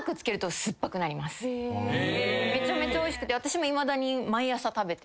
めちゃめちゃおいしくて私も。